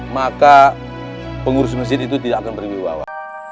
maka pengurus masjid itu tidak akan berwibawa